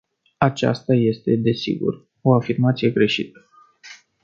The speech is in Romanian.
Aceasta este, desigur, o afirmație greșită.